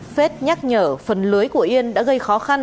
phết nhắc nhở phần lưới của yên đã gây khó khăn